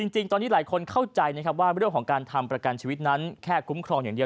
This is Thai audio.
จริงตอนนี้หลายคนเข้าใจนะครับว่าเรื่องของการทำประกันชีวิตนั้นแค่คุ้มครองอย่างเดียว